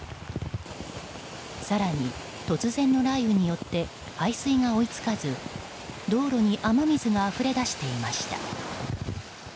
更に、突然の雷雨によって排水が追い付かず道路に雨水があふれ出していました。